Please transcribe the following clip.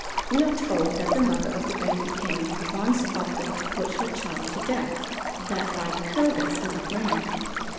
We are told that the mother of the baby king once offered to put her child to death that Lycurgus might reign.